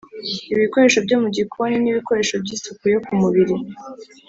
Ibikoresho byo mu gikoni n ibikoresho by isuku yo ku mubiri